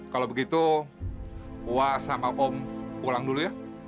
kalau begitu wah sama om pulang dulu ya